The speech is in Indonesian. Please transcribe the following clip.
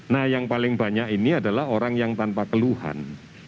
nah yang paling banyak ini adalah orang yang tanpa keluhan